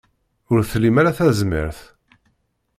Ur tlim ara tazmert.